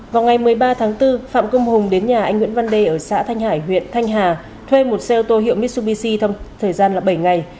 vào ngày một mươi ba tháng bốn phạm công hùng đến nhà anh nguyễn văn đê ở xã thanh hải huyện thanh hà thuê một xe ô tô hiệu mitsubishi thông thời gian bảy ngày